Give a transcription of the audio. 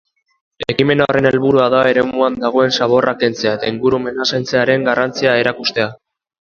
Ekimen horren helburua da eremuan dagoen zaborra kentzea eta ingurumena zaintzearen garrantzia erakustea.